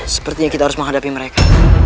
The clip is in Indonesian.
sepertinya kita harus menghadapi mereka